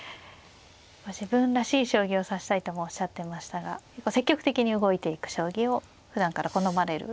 自分らしい将棋を指したいともおっしゃってましたが積極的に動いていく将棋をふだんから好まれる。